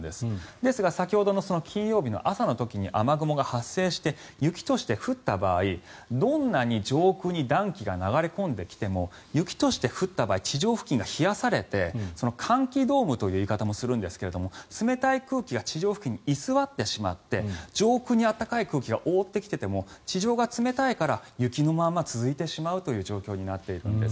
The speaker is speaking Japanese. ですが先ほどの金曜日の朝の時に雨雲が発生して雪として降った場合どんなに上空に暖気が流れ込んできても雪として降った場合地上付近が冷やされて寒気ドームという言い方もするんですが冷たい空気が地上付近に居座ってしまって上空に暖かい空気が覆ってきていても地上が冷たいから雪のまま続いてしまうという状況になっているんです。